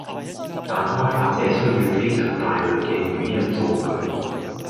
但開發者需要非常大量既語音數據